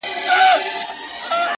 مهرباني د سختو زړونو یخ ماتوي!